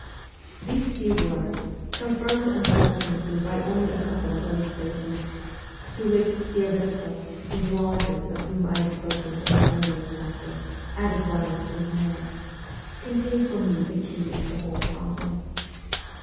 These few words confirmed unfortunately by only a couple of illustrations (to which Syevertsoff, the zoologist of whom I have spoken in an earlier chapter, added one or two more) contained for me the key of the whole problem.